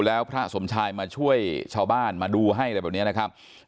แล้วพระสมชายมาช่วยชาวบ้านมาดูให้อะไรแบบนี้นะครับ